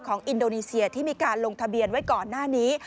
อินโดนีเซียที่มีการลงทะเบียนไว้ก่อนหน้านี้